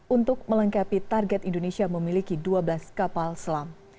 untuk melengkapi target indonesia memiliki dua belas kapal selam